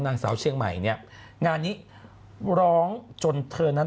นางสาวเชียงใหม่เนี่ยงานนี้ร้องจนเธอนั้น